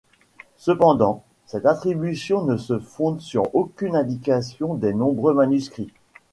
Cependant, cette attribution ne se fonde sur aucune indication des nombreux manuscrits.